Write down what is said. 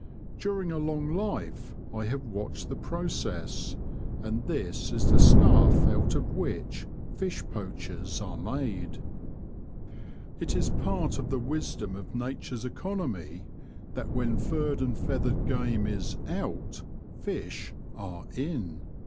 During a long life I have watched the process, and this is the stuff out of which fish poachers are made. It is part of the wisdom of nature's economy that when furred and feathered game is ^' out," fish are ''in."